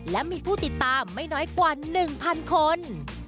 และมีผู้ติดตามไม่น้อยกว่า๑๐๐คน